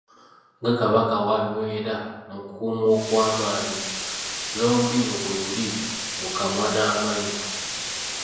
Nga Kabaka bw’abeera mu kukuumwa okw’amaanyi, n’olulimi bwe luli mu kamwa n’amannyo.